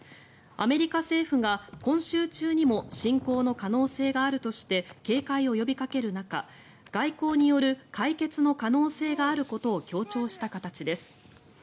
アメリカ政府が今週中にも侵攻の可能性があるとして警戒を呼びかける中外交による解決の可能性があることを強調した形です。